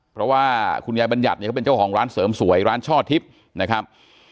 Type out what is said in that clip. เพราะว่าคุณยายบรรยัตน์ก็เป็นเจ้าหองร้านเสริมสวยร้านช่อทิศนะครับ